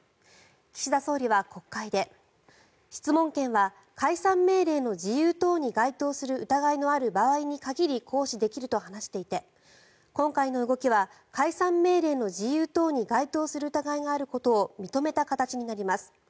岸田総理は国会で質問権は解散命令の事由等に該当する疑いのある場合に限り行使できると話していて今回の動きは解散命令の事由等に該当する疑いがあることを認めた形になります。